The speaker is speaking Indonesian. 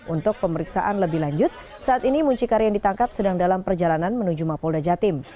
untuk pemeriksaan lebih lanjut saat ini muncikari yang ditangkap sedang dalam perjalanan menuju mapolda jatim